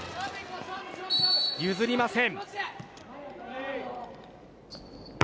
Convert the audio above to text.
譲りません。